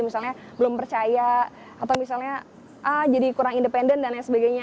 misalnya belum percaya atau misalnya ah jadi kurang independen dan lain sebagainya